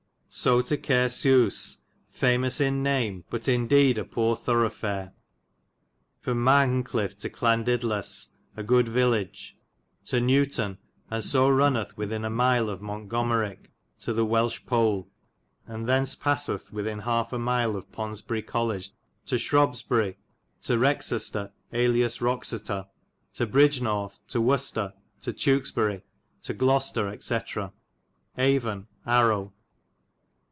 So to Cair Sews,* famous in name, but in dede a pore thrwghe faire. From Mahenclift to Llanidlas a good village, to Newton, and so rinnith within a mile of Montgomeryke to the Walche Pole, and thens passithe within halfe a mile of Ponsbyri College to Shrobbesbyri, to Wrekcester alias Rokecestar,^ to Bridgnorthe, to Wicester, to Twekesbyry, to Glocester, etc. Avon. Arow.''